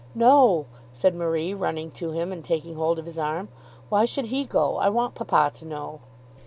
"No," said Marie, running to him, and taking hold of his arm. "Why should he go? I want papa to know."